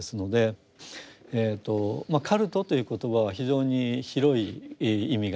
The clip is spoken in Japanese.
カルトという言葉は非常に広い意味があります。